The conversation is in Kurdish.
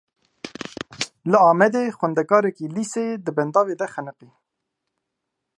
Li Amedê xwendekarekî lîseyê di bendavê de xeniqî.